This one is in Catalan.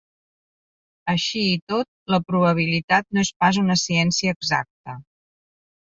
Així i tot, la probabilitat no és pas una ciència exacta.